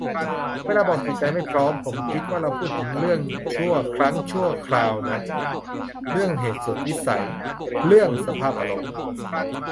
เวลาบอก "จิตใจไม่พร้อม" ผมคิดว่าเราพูดถึงเรื่องชั่วครั้งชั่วคราวนะ เรื่องสุดวิสัย เรื่องสภาพอารมณ์